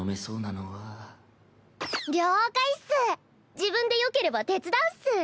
自分でよければ手伝うっス。